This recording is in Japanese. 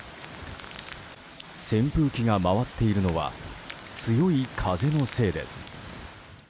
扇風機が回っているのは強い風のせいです。